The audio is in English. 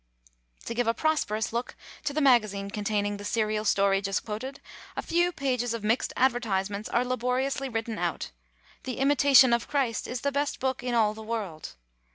To give a prosperous look to the magazine containing the serial story just quoted, a few pages of mixed advertisements are laboriously written out: "The Imatation of Christ is the best book in all the world."